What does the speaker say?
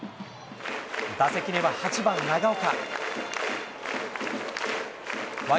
打席には８番長岡。